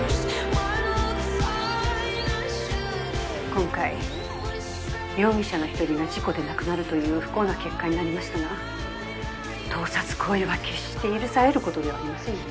今回容疑者のひとりが事故で亡くなるという不幸な結果になりましたが盗撮行為は決して許される事ではありませんよね。